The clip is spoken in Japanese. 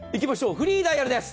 フリーダイヤルです。